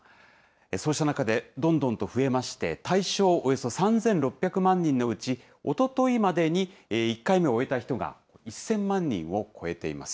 そうした中でどんどんと増えまして、対象およそ３６００万人のうち、おとといまでに１回目を終えた人が１０００万人を超えています。